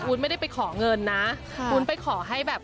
ไม่ได้ไปขอเงินนะวุ้นไปขอให้แบบ